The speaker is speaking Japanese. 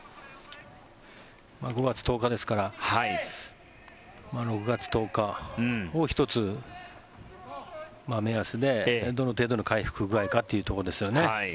５月１０日ですから６月１０日を１つ目安でどの程度の回復具合かということですよね。